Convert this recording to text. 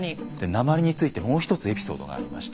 鉛についてもう一つエピソードがありまして。